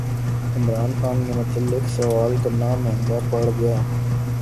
عمران خان کے متعلق سوال کرنا مہنگا پڑگیا